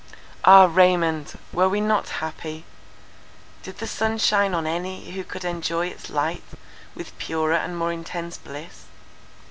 "Ah, Raymond, were we not happy? Did the sun shine on any, who could enjoy its light with purer and more intense bliss?